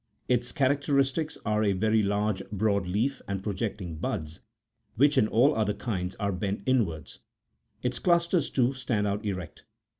Its characteristics are, a very large, broad, leaf, and projecting buds, which in all the other kinds are bent inwards; its clusters, too, stand out erect.